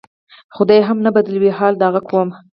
"خدای هم نه بدلوي حال د هغه قوم".